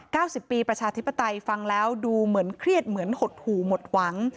สิบปีประชาธิปไตยฟังแล้วดูเหมือนเครียดเหมือนหดหู่หมดหวัง